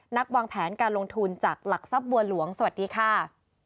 วางแผนการลงทุนจากหลักทรัพย์บัวหลวงสวัสดีค่ะ